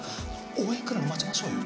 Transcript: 応援来るまで待ちましょうよ。